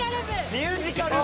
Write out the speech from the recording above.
ミュージカル部？